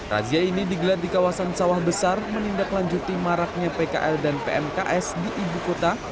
razia ini digelar di kawasan sawah besar menindaklanjuti maraknya pkl dan pmks di ibu kota